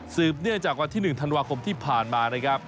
เนื่องจากวันที่๑ธันวาคมที่ผ่านมานะครับ